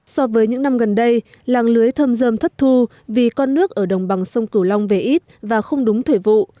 so với những năm gần đây làng lưới thâm dơm thất thu vì con nước ở đồng bằng sông cửu long về ít và không đúng thời vụ